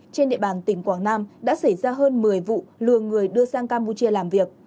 trên địa bàn tỉnh quảng nam đã xảy ra hơn một mươi vụ lừa người đưa sang campuchia làm việc